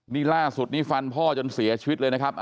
นี่ล่าสุดนี้ฟันพ่อจนเสียชีวิตเลยนะครับ